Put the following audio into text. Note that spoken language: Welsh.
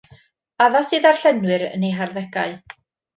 Addas i ddarllenwyr yn eu harddegau.